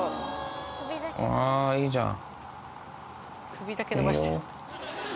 あぁいいじゃん。